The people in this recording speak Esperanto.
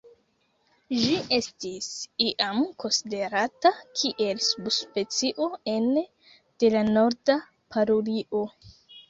Ĝi estis iam konsiderata kiel subspecio ene de la Norda parulio.